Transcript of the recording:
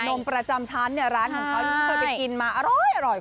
นมประจำชั้นเนี่ยร้านของเขาที่เคยไปกินมาอร่อย